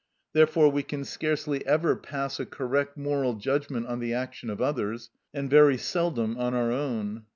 Therefore we can scarcely ever pass a correct moral judgment on the action of others, and very seldom on our own.